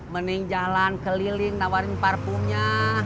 mending jalan keliling nawarin parpunya